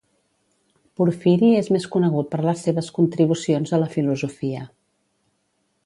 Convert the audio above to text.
Porfiri és més conegut per les seves contribucions a la filosofia.